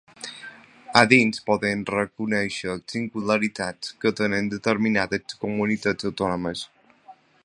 A dins, podem reconèixer singularitats que tenen determinades comunitats autònomes.